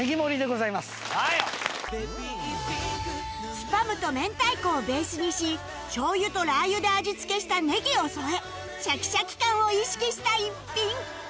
スパムと明太子をベースにし醤油とラー油で味付けしたネギを添えシャキシャキ感を意識した一品